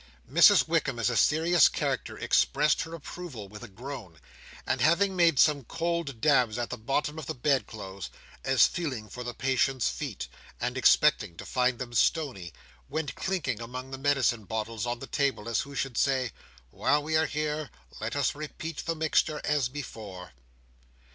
Mrs Wickam, as a serious character, expressed her approval with a groan; and having made some cold dabs at the bottom of the bedclothes, as feeling for the patient's feet and expecting to find them stony; went clinking among the medicine bottles on the table, as who should say, "while we are here, let us repeat the mixture as before."